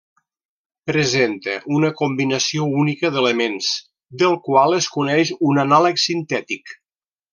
Presenta una combinació única d'elements, del qual es coneix un anàleg sintètic.